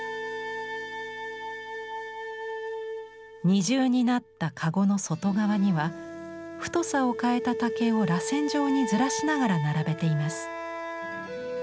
二重になった籠の外側には太さを変えた竹をらせん状にずらしながら並べています。